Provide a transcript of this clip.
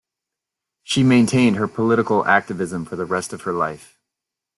She maintained her political activism for the rest of her life.